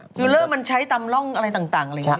ฟิลเลอร์มันใช้ตำร่องอะไรต่างอะไรอย่างนี้ใช่ไหม